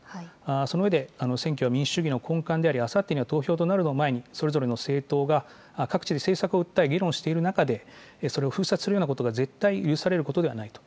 その上で、選挙は民主主義の根幹であり、あさってには投票となるのを前に、それぞれの政党が各地で政策を訴え、議論している中で、それを封殺するようなことは絶対許されることではないと。